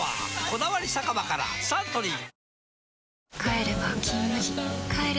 「こだわり酒場」からサントリーキャー！！！